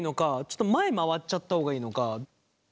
ちょっと前回っちゃった方がいいのか。